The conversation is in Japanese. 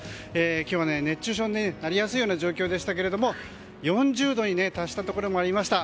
今日は熱中症になりやすい状況でしたが４０度に達したところもありました。